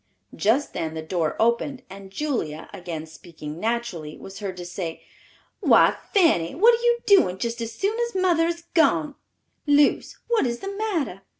Just then the door opened, and Julia, again speaking naturally, was heard to say, "Why, Fanny, what are you doing just as soon as mother is gone? Luce, what is the matter?"